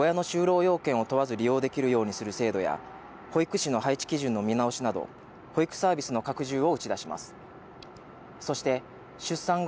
また保育所に空きがある場合、親の就労要件を問わず、利用できるようにする制度や、保育士の配置基準の見直しなど保育サービスの拡充を打ち出します。